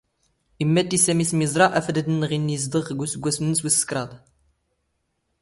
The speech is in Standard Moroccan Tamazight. ⵉⵎⵎⴰⵜⵜⵉ ⵙⴰⵎⵉ ⵙ ⵎⵉⵥⵕⴰ ⴰⴼⴰⴷ ⴰⴷ ⵏⵏ ⵖⵉⵏⵏ ⵉⵣⴷⵖ ⴳ ⵓⵙⴳⴳⵯⴰⵙ ⵏⵏⵙ ⵡⵉⵙ ⵚⴹⵉⵚ.